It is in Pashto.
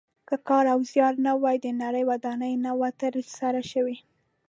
که کار او زیار نه وای د نړۍ ودانۍ نه وه تر سره شوې.